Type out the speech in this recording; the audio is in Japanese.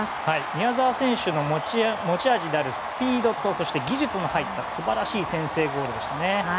宮澤選手の持ち味であるスピードとそして技術の入った素晴らしい先制ゴールでした。